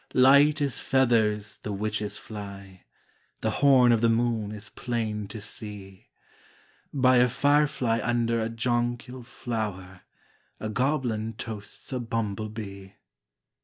Light as feathers the witches fly, The horn of the moon is plain to see; By a firefly under a jonquil flower A goblin toasts a bumble bee.